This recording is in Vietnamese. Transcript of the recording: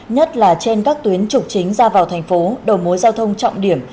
nhất là trên các tuyến trục chính ra vào thành phố đầu mối giao thông trọng điểm